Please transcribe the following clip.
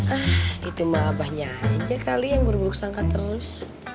ah itu mbah abahnya aja kali yang berburuk sangka terus